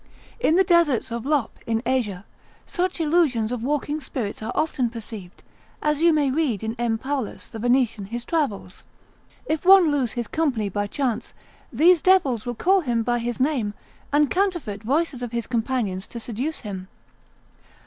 In the deserts of Lop, in Asia, such illusions of walking spirits are often perceived, as you may read in M. Paulus the Venetian his travels; if one lose his company by chance, these devils will call him by his name, and counterfeit voices of his companions to seduce him.